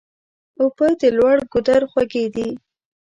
اوبه د لوړ ګودر خوږې دي.